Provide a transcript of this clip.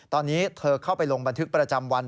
ตอนนี้เธอเข้าไปลงบันทึกประจำวัน